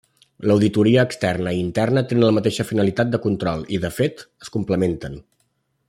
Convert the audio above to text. L'auditoria externa i interna tenen la mateixa finalitat de control i de fet es complementen.